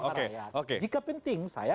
oke jika penting saya